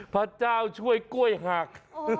พระเจ้าช่วยกล้วยหัก